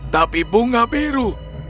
tapi bunga biru